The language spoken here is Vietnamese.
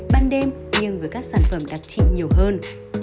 ban đêm nhưng với các sản phẩm đặc trị nhiều hơn